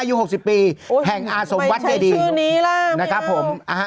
ยูหกสิบปีแห่งอาสมวัตต์เยดีไม่ใช่ชื่อนี้ล่ะไม่เอานะครับผม